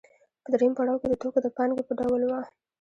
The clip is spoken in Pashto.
په درېیم پړاو کې د توکو د پانګې په ډول وه